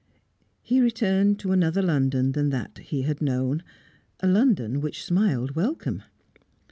He returned to another London than that he had known, a London which smiled welcome.